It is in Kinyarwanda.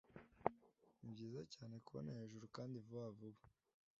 Nibyiza cyane kukubona hejuru kandi vuba vuba!